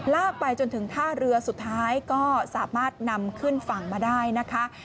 ลากไปจนถึงท่าเรือสุดท้ายก็สามารถนำขึ้นฝั่งมาได้นะคะ